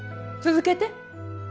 続けて。